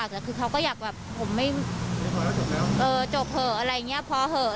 แต่คือเขาก็อยากแบบผมไม่จบเหอะพอเหอะ